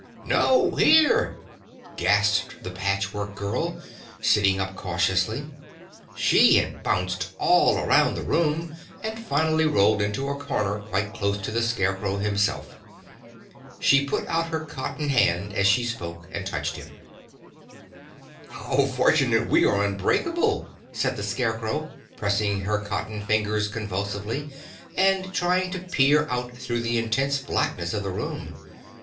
"No, here!" gasped the Patch Work Girl, sitting up cautiously. She had bounced all around the room and finally rolled into a corner quite close to the Scarecrow himself. She put out her cotton hand as she spoke and touched him. "How fortunate we are unbreakable," said the Scarecrow, pressing her cotton fingers convulsively and trying to peer out through the intense blackness of the room.